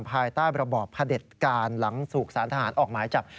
ภายใต้ระบอบพระเด็จการหลังถูกสารทหารออกหมายจับ